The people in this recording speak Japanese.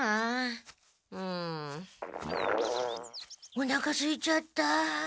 おなかすいちゃった。